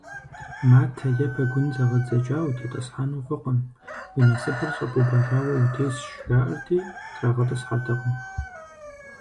Матэ е пэгун зэгъэдзэкӀа утетӀысхьэну фӀыкъым, уи насыпыр щӀэпӀубэжауэ утесщ, жаӀэрти трагъэтӀысхьэртэкъым.